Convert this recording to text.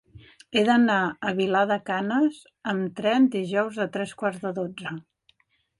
He d'anar a Vilar de Canes amb tren dijous a tres quarts de dotze.